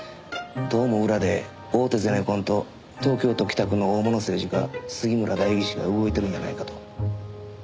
どうも裏で大手ゼネコンと東京都北区の大物政治家杉村代議士が動いてるんやないかと。